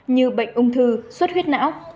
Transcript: như bệnh ung thư suốt huyết não